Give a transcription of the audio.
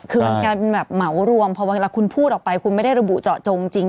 คือมันการแบบเหมารวมพอเวลาคุณพูดออกไปคุณไม่ได้ระบุเจาะจงจริง